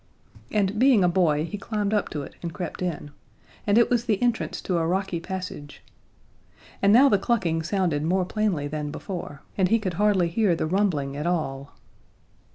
And, being a boy, he climbed up to it and crept in; and it was the entrance to a rocky passage. And now the clucking sounded more plainly than before, and he could hardly hear the rumbling at all.